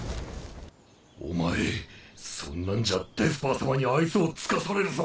お前そんなんじゃデスパー様に愛想を尽かされるぞ。